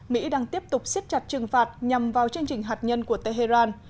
mỹ đang tiếp tục siết chặt trừng phạt nhằm vào chương trình hạt nhân của tehran